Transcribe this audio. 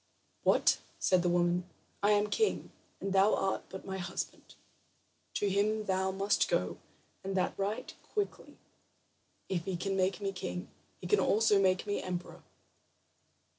"What?" said the woman. "I am king, and thou art but my husband. To him thou must go, and that right quickly. If he can make a king, he can also make an emperor.